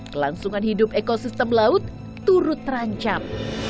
kelangsungan hidup ekosistem laut turut terancam